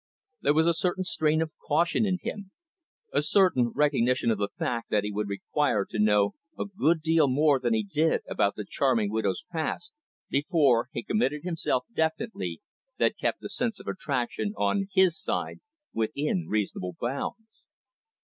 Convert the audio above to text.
There was a certain strain of caution in him, a certain recognition of the fact that he would require to know a good deal more than he did about the charming widow's past, before he committed himself definitely, that kept the sense of attraction on his side within reasonable bounds.